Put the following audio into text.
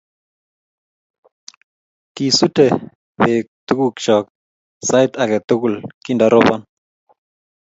Kisute pek tukuk chok sait ake tukul kindarobon